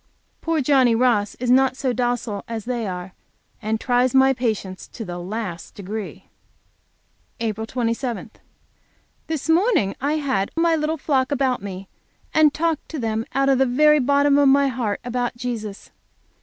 Poor Johnny Ross is not so docile as they are, and tries my patience to the last degree. APRIL 27. This morning I had my little flock about me, and talked to them out of the very bottom of my heart about Jesus.